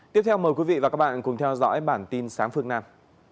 tiếp theo mời quý vị và các bạn cùng theo dõi bản tin sáng phương nam